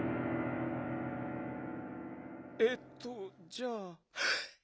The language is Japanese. えっとじゃあこれ。